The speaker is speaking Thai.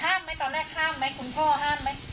ไหมตอนแรกห้ามไหมคุณพ่อห้ามไหม